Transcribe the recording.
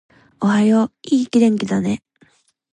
おはよう、いい天気だね